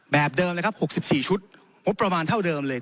แบบเดิม๖๔ชุดมบประมาณเท่าเดิมเลย